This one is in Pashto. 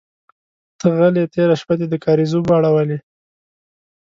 _ته غل يې، تېره شپه دې د کارېزه اوبه اړولې.